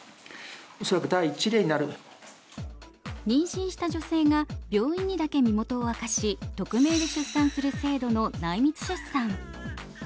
妊娠した女性が病院にだけ身元を明かし匿名で出産する制度の内密出産。